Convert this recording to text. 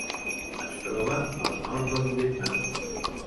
Es troba al nord del Vietnam.